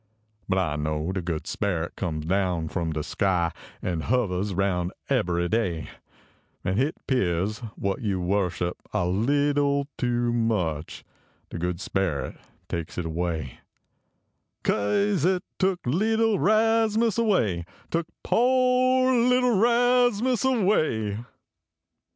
UTTU<: kASMUS fie) Rut I know de Good Speret comes down from de sky An hovahs aroun ebbery day, An liit pears what yo worship a leetle too much De Good Speret takes it away, Knse il took leetle Rasmus away Took po leetle Rasmus away.